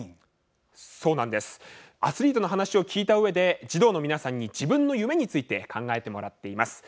アスリートの話を聞いたうえで児童の皆さんに自分の夢について考えてもらっています。